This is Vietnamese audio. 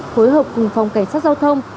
khối hợp cùng phòng cảnh sát giao thông